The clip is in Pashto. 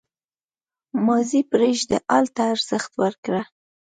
• ماضي پرېږده، حال ته ارزښت ورکړه.